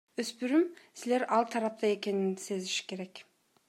Өспүрүм силер ал тарапта экенин сезиши керек.